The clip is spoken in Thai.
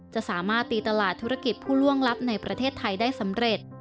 จะสามารถตีตลาดธุรกิจผู้ล่วงลับในประเทศไทยได้สำเร็จ